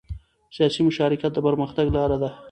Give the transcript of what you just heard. سیاسي مشارکت د پرمختګ لاره ده